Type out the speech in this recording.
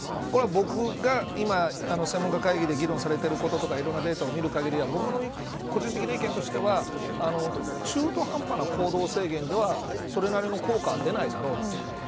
これは僕が専門家会議で議論されていることとかいろんなデータを見る限りでは中途半端な行動制限ではそれなりの効果は出ないだろうと。